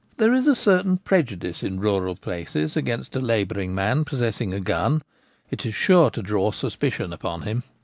There is a certain prejudice in rural places against a labouring man possessing a gun ; it is sure to draw suspicion upon him.